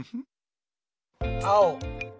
あお！